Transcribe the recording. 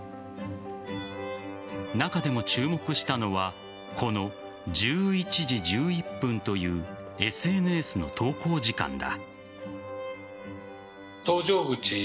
中でも注目したのはこの１１時１１分というＳＮＳの投稿時間だ。